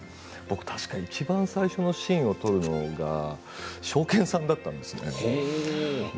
僕確か、いちばん最初のシーンを撮るのがショーケンさんだったんですね。